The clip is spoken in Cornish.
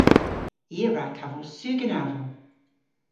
I a wra kavos sugen aval.